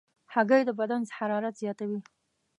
هګۍ د بدن حرارت زیاتوي.